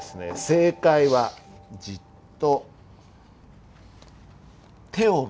正解は「ぢっと」